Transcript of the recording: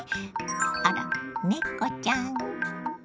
あら猫ちゃん。